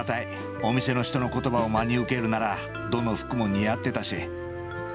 お店の人のことばを真に受けるならどの服も似合ってたし。